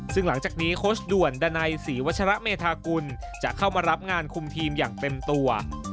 ซึ่งหลังจากนี้โค้ชด่วนดันัยศรีวัชระเมธากุลจะเข้ามารับงานคุมทีมอย่างเต็มตัว